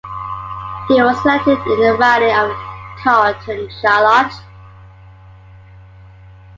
He was elected in the riding of Carleton-Charlotte.